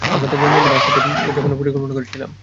আমরা তার জন্মদিন একসাথে উদযাপনের পরিকল্পনা করেছিলাম।